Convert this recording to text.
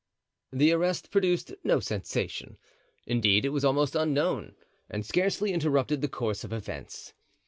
The arrest produced no sensation, indeed was almost unknown, and scarcely interrupted the course of events.